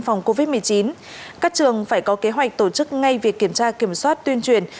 phòng covid một mươi chín các trường phải có kế hoạch tổ chức ngay việc kiểm tra kiểm soát tuyên truyền